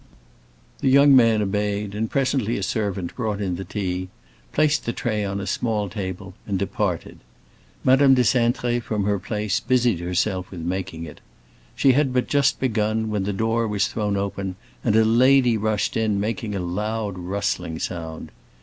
The young man obeyed, and presently a servant brought in the tea, placed the tray on a small table, and departed. Madame de Cintré, from her place, busied herself with making it. She had but just begun when the door was thrown open and a lady rushed in, making a loud rustling sound.